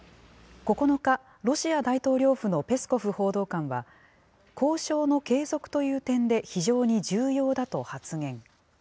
９日、ロシア大統領府のペスコフ報道官は交渉の継続という点で非常に重要だと発言。